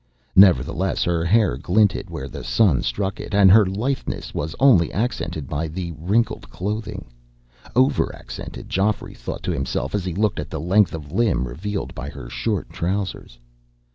Nevertheless, her hair glinted where the sun struck it, and her litheness was only accented by the wrinkled clothing. Over accented, Geoffrey thought to himself as he looked at the length of limb revealed by her short trousers.